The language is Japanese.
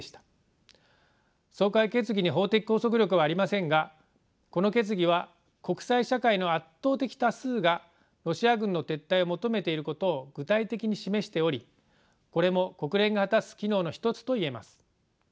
総会決議に法的拘束力はありませんがこの決議は国際社会の圧倒的多数がロシア軍の撤退を求めていることを具体的に示しておりこれも国連が果たす機能の一つといえます。